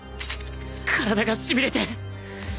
体がしびれて